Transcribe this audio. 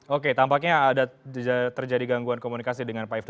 oke tampaknya ada terjadi gangguan komunikasi dengan pak ifda